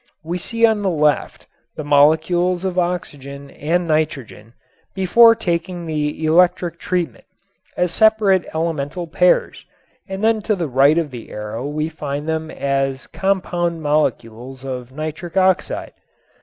We see on the left the molecules of oxygen and nitrogen, before taking the electric treatment, as separate elemental pairs, and then to the right of the arrow we find them as compound molecules of nitric oxide.